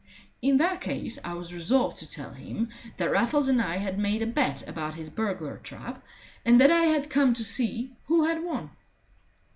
In that case I was resolved to tell him that Raffles and I had made a bet about his burglar trap, and that I had come to see who had won.